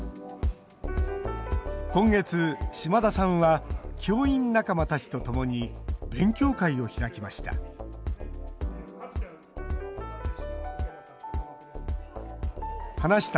今月、島田さんは教員仲間たちとともに勉強会を開きました。